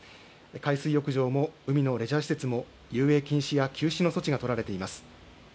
海水浴場も海のレジャー施設も遊泳禁止や休止の措置が取られています。